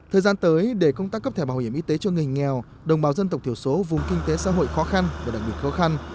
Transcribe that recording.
thời gian tới để công tác cấp thẻ bảo hiểm y tế cho người nghèo đồng bào dân tộc thiểu số vùng kinh tế xã hội khó khăn và đặc biệt khó khăn